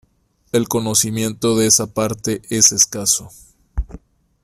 El conocimiento de esta parte es escaso.